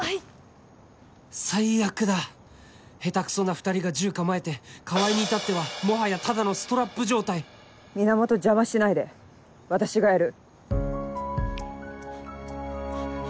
２人が銃構えて川合に至ってはもはやただのストラップ状態源邪魔しないで私がやる。